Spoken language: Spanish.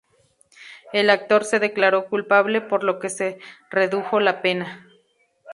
El actor se declaró culpable, por lo que se le redujo la pena.